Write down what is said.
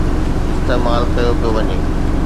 استعمال ڪيو پيو وڃي.